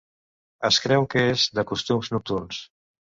Es creu que és de costums nocturns.